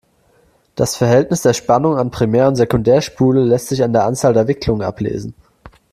Das Verhältnis der Spannung an Primär- und Sekundärspule lässt sich an der Anzahl der Wicklungen ablesen.